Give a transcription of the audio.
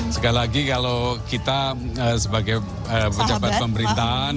sekali lagi kalau kita sebagai pejabat pemerintahan